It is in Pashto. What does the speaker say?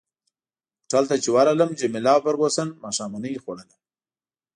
هوټل ته چي ورغلم جميله او فرګوسن ماښامنۍ خوړل.